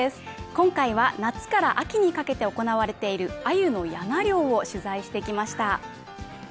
今回は夏から秋にかけて行われている鮎のやな漁を取材してきました。